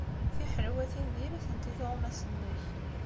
Tiḥelwatin diri-tent i tuɣmas-nnek.